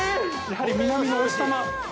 やはり南のお日様。